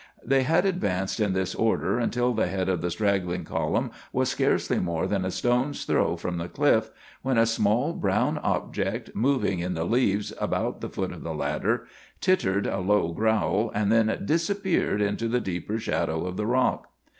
They had advanced in this order until the head of the straggling column was scarcely more than a stone's throw from the cliff, when a small brown object, moving in the leaves about the foot of the ladder, tittered a low growl and then disappeared into the deeper shadow of the rock.